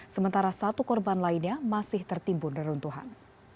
sementara satu korban lainnya masih tertimbun neruntuhan